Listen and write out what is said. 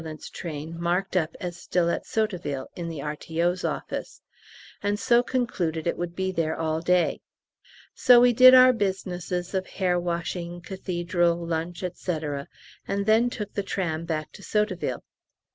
A.T. marked up as still at Sotteville (in the R.T.O.'s office), and so concluded it would be there all day. So we did our businesses of hair washing, Cathedral, lunch, &c., and then took the tram back to Sotteville.